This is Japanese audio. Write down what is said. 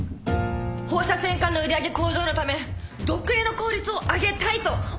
放射線科の売り上げ向上のため読影の効率を上げたいと思っております。